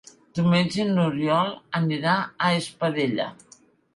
Diumenge n'Oriol anirà a Espadella.